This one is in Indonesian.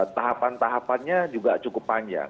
tahapan tahapannya juga cukup panjang